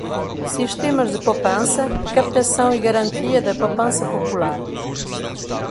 sistemas de poupança, captação e garantia da poupança popular;